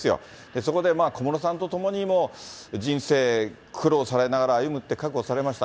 そこで小室さんと共に人生苦労されながら歩むって覚悟されました。